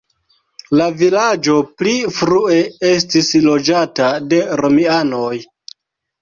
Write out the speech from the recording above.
La vilaĝo pli frue estis loĝata de romianoj.